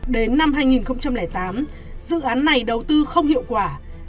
đến năm hai nghìn tám dự án này đầu tư không hiệu quả